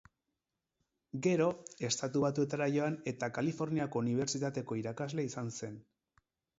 Gero, Estatu Batuetara joan eta Kaliforniako Unibertsitateko irakasle izan zen.